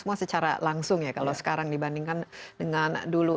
semua secara langsung ya kalau sekarang dibandingkan dengan dulu